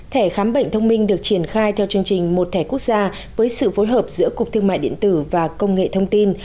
thẻ khám bệnh thông minh được triển khai theo chương trình một thẻ quốc gia với sự phối hợp giữa cục thương mại điện tử và công nghệ thông tin